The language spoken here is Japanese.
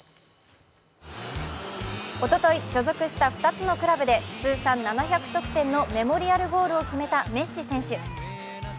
おととい所属した２つのクラブで通算７００得点のメモリアルゴールを決めたメッシ選手。